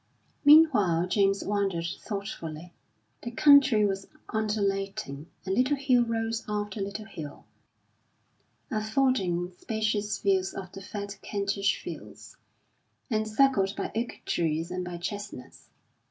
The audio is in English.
Meanwhile James wandered thoughtfully. The country was undulating, and little hill rose after little hill, affording spacious views of the fat Kentish fields, encircled by oak trees and by chestnuts.